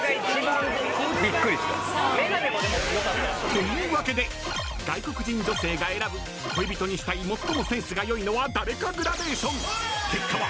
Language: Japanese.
［というわけで外国人女性が選ぶ恋人にしたい最もセンスが良いのは誰かグラデーション］［結果は風間君の圧勝となりました］